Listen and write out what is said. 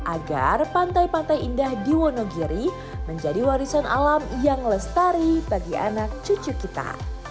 agar pantai pantai indah di wonogiri menjadi warisan alam yang lestari bagi anak cucu kita